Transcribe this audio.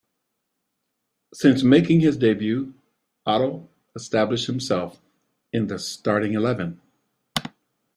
Since making his debut, Ottl established himself in the starting eleven.